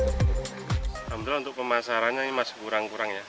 alhamdulillah untuk pemasarannya ini masih kurang kurang ya